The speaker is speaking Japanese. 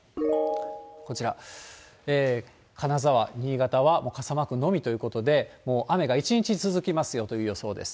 こちら、金沢、新潟はもう傘マークのみということで、もう雨が一日続きますよという予想です。